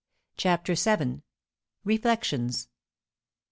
CHAPTER VII. REFLECTIONS.